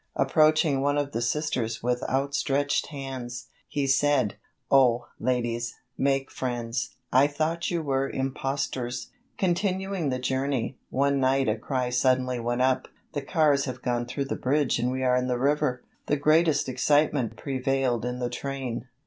Approaching one of the Sisters with outstretched hands, he said: "Oh, ladies, make friends; I thought you were impostors." Continuing the journey, one night a cry suddenly went up: "The cars have gone through the bridge and we are in the river." The greatest excitement prevailed in the train.